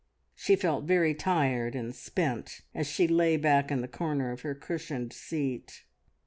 She felt very tired and spent as she lay back in the corner of her cushioned seat.